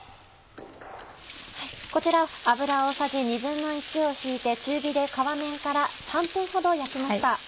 こちらは油大さじ１／２を引いて中火で皮面から３分ほど焼きました。